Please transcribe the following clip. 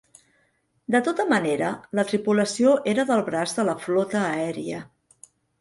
De tota manera, la tripulació era del braç de la flota aèria.